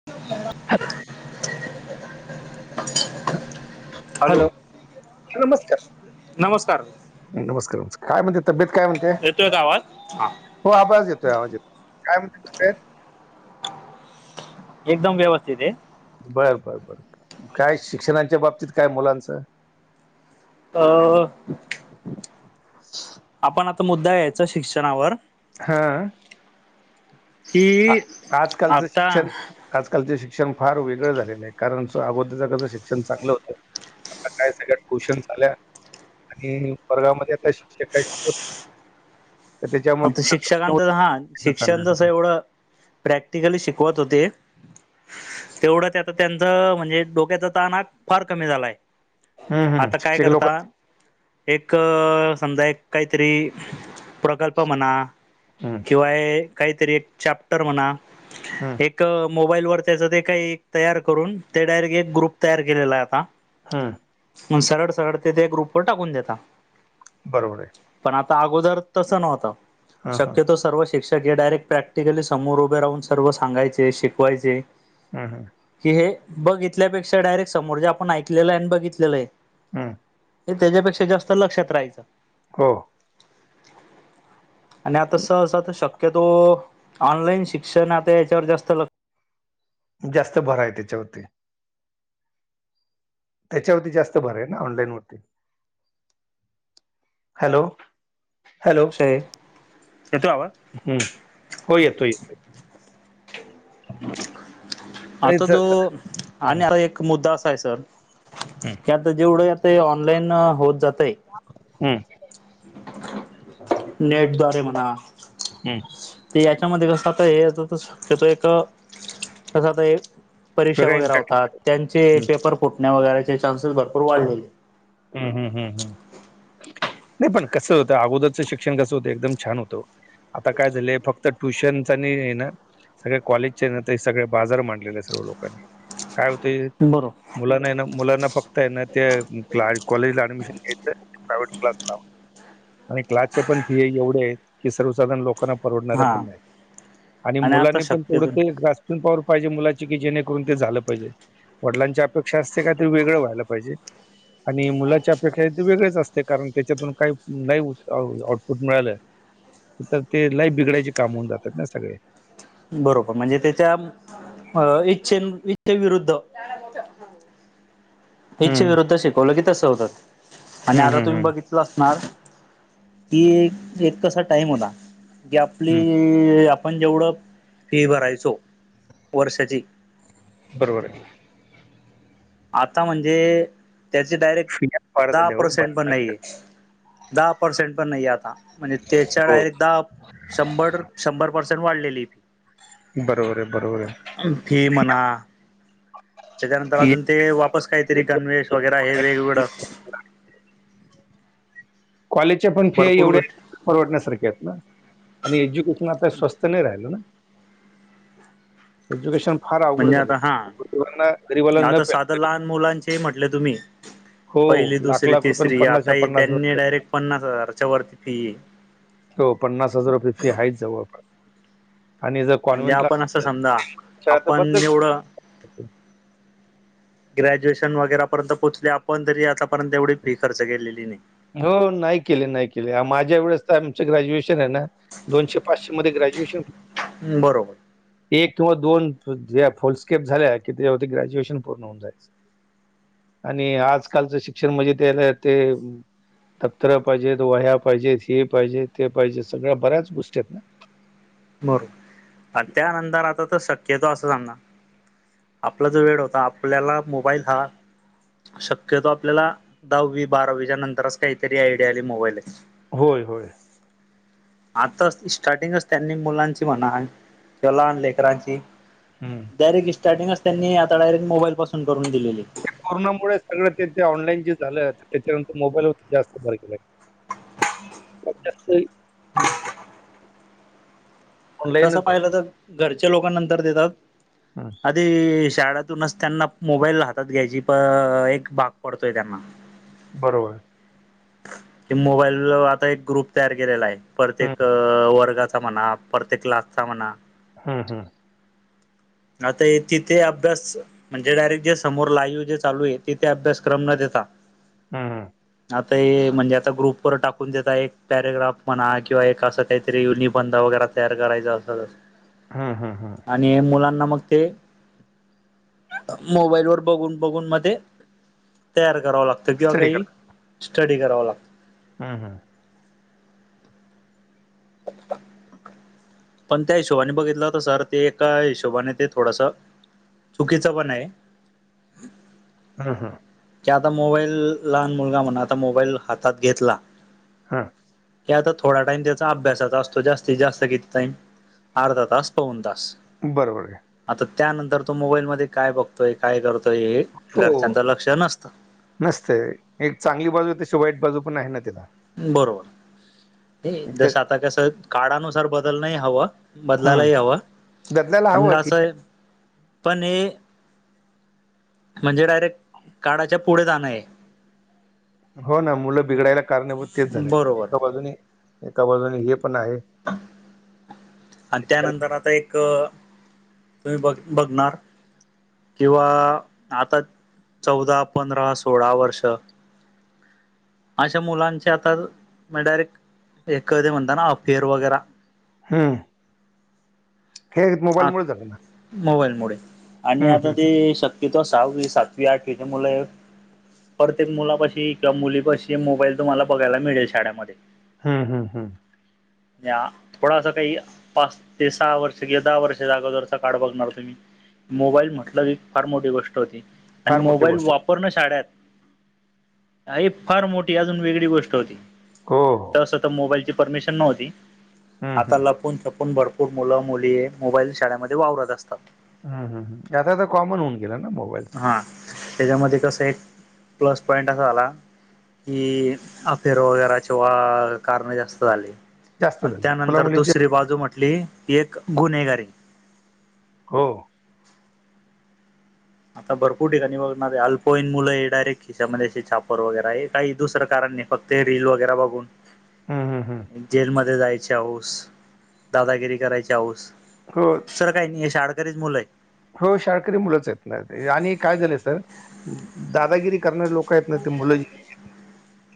[unintelligible] Hello, नमस्कार. नमस्कार नमस्कार नमस्कार. काय म्हणते तब्येत काय म्हणते. येतोय का आवाज. हो आवाज येतोय. आवाज येतोय. काय म्हणती तब्येत. एकदम व्यवस्थित आहे. बर बर बर काय शिक्षणाच्या बाबतीत काय मुलांच. अ आपण आता मुद्दा यायचा शिक्षणावर ह की आ आजकालच आता शिक्षण आजकालचे शिक्षण फार वेगळ झालेल आहे. कारण सो अगोदरच कस शिक्षण चांगल होत. आत्ता काय सगळ्या ट्युशनस आल्या आणि वर्गामध्ये आत्ता शिक्षक काही शिकवत नाही. त्याच्यामुळे आमच फक्त ट्युशनवर शिक्षकांच हा शिकलं चाललंय शिक्षण जस सगळं. एवढ प्रॅक्टिकली शिकवत होते. तेवढ ते आता त्यांच म्हणजे डोक्याचा ताण फार कमी झालाय. हम्म, हम्म. आता काय शिक्षक लोक करता एक समजा एक काहीतरी प्रकल्प म्हणा हम्म किंवा काहीतरी एक चॅप्टर म्हणा, हम्म, एक मोबाईल वर त्याच ते काही तयार करून, ते डायरेक्ट एक ग्रुप तयार केलेला आहे आता. हम्म मग सरळ सरळ तेथे ग्रुपवर टाकून देता. बरोबर आहे. पण आता अगोदर तस नव्हत. हां हां शक्यतो सर्व शिक्ष डायरेक्ट प्रॅक्टिकली समोर उभे राहून सर्व सांगायचे शिकवायचे. हा ह कि हे बघितल्यापेक्षा डायरेक्ट समोर जे आपण ऐकलेल आहे आणि बघितलेल आहे. हम्म हे त्याच्यापेक्षा जास्त लक्षात राहायचं हो.. आणि आता सहसा तर शक्यतो ऑनलाईन शिक्षण आता याच्यावर जास्त लक्ष जास्त भर आहे त्याच्यावरती त्याच्यावरती जास्त भर आहे ना ऑनलाईन वरती हॅलो हॅलो येतोय आवाज हम्म हो येतोय.. आता जो हम्म, आणि आता एक मुद्दा असा आहे सर हम्म, की आता जेवढं आता ऑनलाईन होत जातय हम्म.. नेट द्वारे म्हणा हम्.. ते याच्यामध्ये कसं आता हे शक्यतो एक कस आता एक परीक्षा वेगळा वगैरे इम्पॅक्ट होतात त्यांचे हम्म, पेपर फुटण्या वगैरेचे चान्सेस भरपूर वाढलेले हम्म हम हम्म हम.. नाही पण कसं होतं अगोदरचं शिक्षण कसं होतं एकदम छान होतं आता काय झालंय फक्त ट्युशनच नाही आहे ना सगळे कॉलेजचे न सगळे बाजार मांडले आहे सर्व लोकांनी काय होतय बरोबर मुलांना आहे ना मुलांना फक्त आहे ना ते कॉलेजला ऍडमिशन घ्याय प्रायव्हेट क्लासला आणि क्लासचे पण फी एवढे आहेत की सर्वसाधारण लोक लोकाना परवडणाऱ्या हा पण नाही आणि आता मुलांनी पण तेवढ शक्यतो ते पावर पाहिजे मुलाची कि जेणेकरून ते झालं पाहिजे वडिलांची अपेक्षा असते का तरी वेगळं व्हायला पाहिजे आणि मुलाच्या अपेक्षा ते वेगळेच असते कारण त्याच्यातून काही नाही आउटपुट मिळालंय तर ते लाईफ बिघडायचे काम होऊन जातात ना सगळे बरोबर म्हणजे त्याच्या इच्छे इच्छेविरुद्ध हम.. इच्छे विरुद्ध शिकवलं की तसं होतं आणि हम्म आता हम्म तुम्ही हम्म. बघितलं असणार कि एक कसा टाईम होता की हम्म. आपली आपण जेवढं फी भरायचो वर्षाची बरोबर आहे.. आता म्हणजे त्याचे डायरेक्ट फिया फार दहा झाल्या हो. पर्सेंट पण भारतात. नाहीये दहा पर्सेंट पण नाहीे आता म्हणजे त्याच्या हो. डायरेक्ट दहा शंभर शंभर पर्सेंट वाढलेली. बरोबर आहे बरोबर आहे. फी म्हणा, त्याच्यानंतर आहे. अजून ते वापस काहीतरी गणवेश वगैरे हे वेगवेगळं. कॉलेजचे पण फी आहे भरपूर एवढे गोष्टी आहेत- न परवडण्यासारखे आहेत ना आणि एज्युकेशन आता स्वस्त नाही राहिलं ना. एज्युकेशन फार अवघड म्हणजे आता झालेना गरीबाला न पेलणारे. आ लहान मुलांचे म्हटले तुम्ही हो, पहिली दुसरी लाख-लाख रुपये आणि तिसरी आता पन्नासच्या ही त्यांनी डायरेक्ट- पन्नास हजाराच्या वरती फी आहे. हो पन्नास हजार रुपये फी ह्याईच जवळपास. आणि जर म्हणजे कॉन्व्हेंटला अस आपण असं तर समजा शाळा तर आपण एवढं बंदच ग्रॅज्युएशन वगैरेपर्यंत पोहचले आपण तरी आतापर्यंत एवढी फी खर्च केलेली नाही हो नाही केली नाही केली माझ्या वेळेस तर आमचं ग्रॅज्युएशन आहे ना दोनशे पाचशे मध्ये ग्रॅज्युएशन बरोबर एक किंवा दोन ज फुलस्केप झाल्या की त्यावरती ग्रॅज्युएशन पूर्ण होऊन जायचं आणि आजकालचं शिक्षण म्हणजे त्याला ते दप्तर पाहिजेत वह्या पाहिजेत हे पाहिजे ते पाहिजे सगळ्या बऱ्याच गोष्टी असत्यात बरोबर आणि त्यानंतर आता तर शक्यतो असं सांगना आपला जो वेळ होता आपल्याला मोबाईल हा शक्यतो आपल्याला दहावी बारावीच्या नंतरच असं काहीतरी आयडिया आली मोबाईलाची होय होय आता स्टार्टिंगच त्यांनी मुलांची म्हणाल किंवा लहान लेकरांची हू डायरेक्ट स्टार्टिंगच त्यांनी आता डायरेक्ट मोबाईल पासूनच करून दिलेली आहे कोरोनामुळे सगळं ते ते ऑनलाईन जे झालं तर त्याच्यानंतर मोबाईलवर जास्त भर केलय वर्चस्थही तसं ऑनलाईनच पाहिलं तर घरचे लोक नंतर देतात हू आधी शाळातूनच त्यांना मोबाईल हातात घ्यायची प एक भाग पडतोय त्यांना बरोबर आहे कि मोबाईल आता एक ग्रुप तयार केलेला आहे प्रत्येक हम्म, अ वर्गाचा म्हणा प्रत्येक क्लासचा म्हणा हू हू आताही तिथे अभ्यास म्हणजे डायरेक्ट जे समोर लाईव्ह जे चालू आहे तिथे अभ्यासक्र मध्येच न देता हम्म, आता हे म्हणजे आता ग्रुप वर टाकून देता एक पॅरेग्राफ म्हणा किंवा एक असं काहीतरी निबध वगैरे तयार करायचं असं हू हू हू आणि मुलांना मग ते मोबाईल वर बघून बघून म ते तयार कराव लागतं तर किंवा स्टडी काही स्टडी करावं लागतं हू हू [inaudible] पण त्या हिशोबाने बघितलं तर सर ते एका हिशोबाने ते थोडस चुकीचं पण आहे हा हा की आता मोबाईल लहान मुलगा म्हणा आता मोबाईल हातात घेतला हा की आता थोडा टाइम त्याचा अभ्यासाचा असतो जास्तीत जास्त किती टाईम अर्धा तास पाऊण तास बरोबर का आता त्यानंतर तो मोबाईलमध्ये काय बघतोय काय करतोय हे घरच्यांच लक्ष नसतं नसतय एक चांगली बाजू तशी वाईट बाजू पण आहे ना तिला बरोबर नाही ते जस आता कस काळानुसार बदलनही हवं बदलायला हम्म. ही हवं बदलायला पण हवं का असं ठीक आहे पण हे म्हणजे डायरेक्ट काळाच्या पुढे जाणं आहे. हो ना मुलं बिघडायला कारणीभूत तेच झालंय बरोबर एका बाजूने एका बाजूने हे पण आहे. आणि शिक्षण त्यानंतर आता एक तुम्ही बघ बघणार किंवा आता चौदा, पंधरा, सोळा वर्ष अशा मुलांचे आता मग डायरेक्ट ए कधे म्हणता ना अफेअर वगरा हम्म! हे मोबाईलमुळेच झालं ना. मोबाईलमुळे आणि हम्म, आता हम्म, ते शक्यतो सहावी, सातवी, आठवीचे मुलं आहेत प्रत्येक मुलापाशी किंवा मुलीपाशी मोबाईल तुम्हाला बघायला मिळेल शाळेमध्ये. हम्म हम्म हम्म! या थोडासा काही पाच ते सहा वर्ष गे दहा वर्षाच्या अगोदरचा काळ बघणार तुम्ही, मोबाईल म्हटलं की फार मोठी गोष्ट होती. आणि फार मोठी मोबाईल गोष्ट वाप -रणं शाळेत हा ही फार मोठी अजून वेगळी गोष्ट होती. हो हो तसं तर मोबाईलची परमिशन नव्हती हम्म, आता हम्म, लपून छपून भर -पूर मुलं-मुली मोबाईल शाळेमध्ये वावरत असतात. हं हं हं, आता तर कॉमन होऊन गेलं ना मोबाईलच. हा त्याच्यामध्ये कसं एक प्लस पॉइंट असा झाला की अफेयर वगैराचे वा कारणं जास्त झाले. जास्त अन् झालं मुला त्यानंतर मुलींच्या दुसरी बाजू म्हटली ती एक गुन्हेगारी. हो! आता भरपूर ठिकाणी बघणारे अल्पवयीन मुलं हे डायरेक्ट खिशामध्ये असे चापर वगैरा आहे काही दुसरं कारण नाही फक ते रील वगैरा बघून हं, हं, हं. जेलमध्ये जायची हौस, दादागिरी करायची हौस. हो! दुसरं काही नाही हे शाळकरीच मुलं आहेत. हो शाळकरी मुलंच आहेत ना ते आणि काय झालंय सर दादागिरी करणारे लोक आहेत ना ते मुलं जी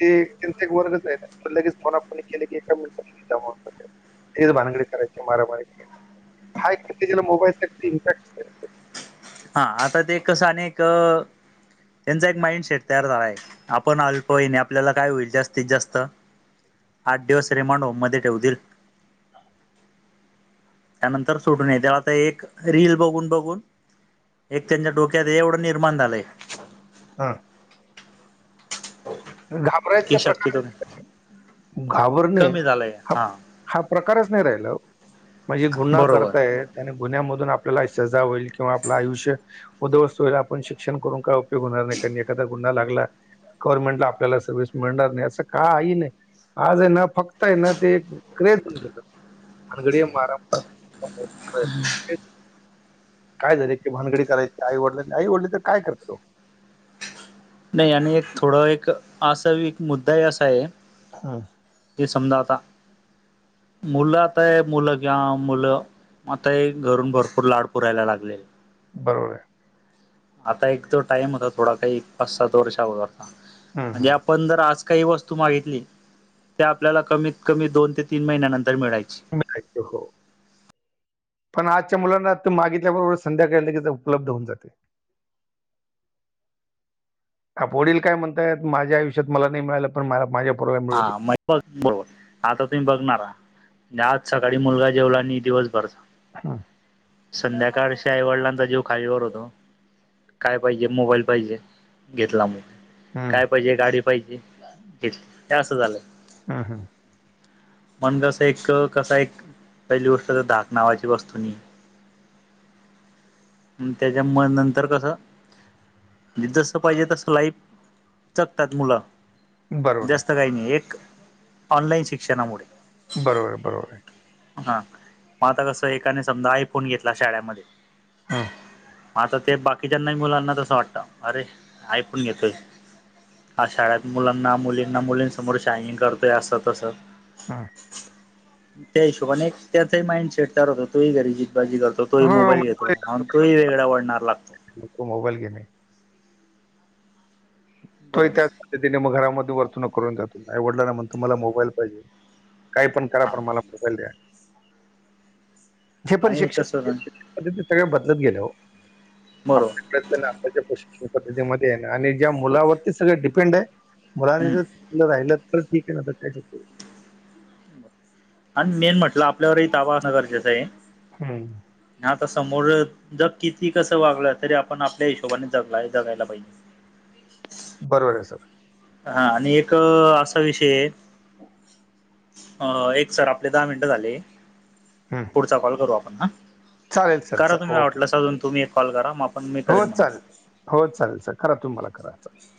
ते त्यांचा एक वर्गच आहे त्या लगेच फोना फोनी केले की एका मिनिटात [unintelligible] फेर भानगडी करायची मारामारी करायच्या हा एक फक्त ज्याला मोबाईल सक्ती इम्पॅक्ट [inaudible] हा आता ते कसं अनेक त्यांचा एक माइंडसेट तयार झाला आहे. आपण अल्पवयीन हे आपल्याला काय होईल जास्तीत जास्त? आठ दिवस रिमाांंड होम मध्ये ठेवतील. त्यानंतर सोडू नये तेव्हा ते एक रील बघून बघून एक त्यांच्या डोक्यात एवढं निर्माण झालंय हां! घाबरायचे की प्रकार शक्यतो घाबरणे कमी झालंय हा हा प्रकारच नाही राहिला ओ म्हणजे गुन्हा बरोबर करतायेत त्याने गुन्ह्यामधून आपल्याला सजा होईल किंवा आपलं आयुष्य उद्वस्त हो आपण शिक्षण करून काय उपयोग होणार नाही कारण एखादा गुन्हा लागला गव्हर्नमेंटला आपल्याला सर्विस मिळणार नाही असं काही नाही. आज आहे ना फक्त आहे ना ते एक क्रेज भानगडी मारा हम. काय झाले की भानगडी करायची आई वडील आई वडील तर काय करतील वो. नाही आणि एक थोड एक आसावी एक मुद्दाही असा आहे ह. हे समजा आता मुलं आताय मुलं किंवा मुलं आता हे घरून भरपूर लाड पुरायला लागलेले. बरोबर आहे. आता एक जो टाइम होता थोडा काही पाच सात वर्षा अगोदरचा हम्म म्हणजे आप पण जर आज काही वस्तू मागितली ते आपल्याला कमीत कमी दोन ते तीन महिन्यानंतर मिळायची. खायच हो. पण आजच्या मुलांना आ मागितल्याबरोबर संध्याकाळी लगेच उपलब्ध होऊन जाते. का वडील काय म्हणतायत माझ्या आयुष्यात मला नाही मिळालं पण मला माझ्या पोराला मिळु दे. हा मग बघ बरोबर आता तुम्ही बघणार आज सकाळी मुलगा जेवला आणि दिवसभरचा. हा. संध्याकाळशी आईवडिलांचा जीव खालीवर होतो. काय पाहिजे मोबाईल पाहिजे घेतला मोबाईल. काय हं, पाहिजे गाडी पाहिजे घेतली हे असं झालंय. हा हा. मण कसं एक कसा एक पहिली गोष्ट धाक नावाची वस्तू नाही. [inaudible] त्याच्या मुळ नंतर कसं. जसं पाहिजे तसं लाईफ जगतात मुलं. बरोबर आहे. जास्त काही नाही ऑनलाईन शिक्षणामुळे. बरोबर बरोबर आहे. हा मग आता कस एकाने समजा आयफोन घेतला शाळेमध्ये. हं, म आता ते बाकीच्यांना मुलांना तसं वाटतं अरे आयफोन घेतोय. ह शाळेत मुलांना मुलींना मुलींसमोर शाईंनींग करतोय अस तअ हा. त्या हिशोबाने एक त्याचा माइंडसेट तयार होतो घरी जितबाजी करतो. तोही हो, मग मोबाईल घेतो म्हणून तोही वेगळ्या वळणावर लागतो. लोक मोबाईल घेने. तो ही त्याच बरोबर पद्धतीने मग घरामध्ये वर्तनुक करून जातो आई वडिलांना म्हणतो मला मोबाईल पाहिजे. काही पण करा पण मला मोबाईल द्या. जे पण आणि शिक्षण कसं पद्धती सगळे बदलत गेले हो. बरोबर प्रयत्नांच्या प्रशिक्षण पद्धतीमध्ये आहे आणि ज्या मुलावरती सगळ डिपेंड आहे मुलानी हम्म जर. राहिलं तर ठीक आहे ना आता काय शक. आणि मेन म्हटलं आपल्यावरही ताबा असणं गरजेचं आहे. हम्. आता समोर जग किती कसं वागलं तरी आपण आपल्या हिशोबाने जगला जगायला पाहिजे. बरोबर आहे सर. हा आणि एक असा विषय आहे अ एक सर आपले दहा मिनिटं झाले. हं. पुढचा कॉल करू आपण हा चालेल सर, करा चालेल. तुम्ही ओके. वाटलं स अजून तुम्ही एक कॉल करा म. हो चालेल हो चालेल सल करा तुम्हाला करा चाल.